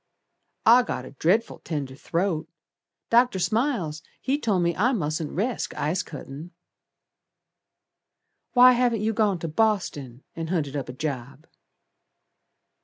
"I got a dret'ful tender throat; Dr. Smiles he told me I mustn't resk ice cuttin'." "Why haven't you gone to Boston, And hunted up a job?"